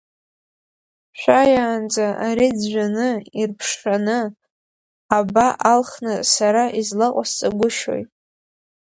Шәаиаанӡа ари ӡәӡәаны, ирԥшшаны, аба алхны сара излаҟасҵагәышьои?